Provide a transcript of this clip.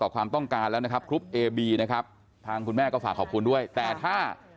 ขอบคุณค่ะ